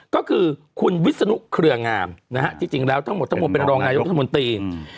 ก็คือคุณวิศนุเคลื่องามที่จริงแล้วทั้งหมดเป็นรองนายุทธมตรี